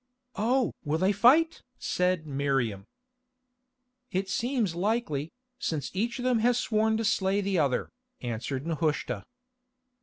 "Oh! will they fight?" said Miriam. "It seems likely, since each of them has sworn to slay the other," answered Nehushta.